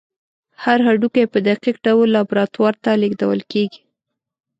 هر هډوکی په دقیق ډول لابراتوار ته لیږدول کېږي.